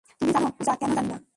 তুমি জানো পূজা, কেন জানি না?